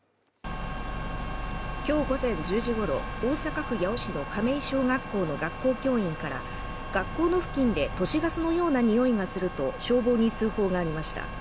今日午前１０時ごろ、大阪府八尾市の亀井小学校の学校教員から学校の付近で都市ガスのような臭いがすると消防に通報がありました。